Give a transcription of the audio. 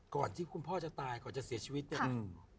ก่อนที่คุณพ่อจะตายก่อนจะเสียชีวิตเนี่ย